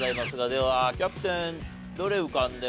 ではキャプテンどれ浮かんでます？